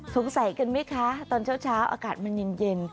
สงสัยกันไหมคะตอนเช้าอากาศมันเย็น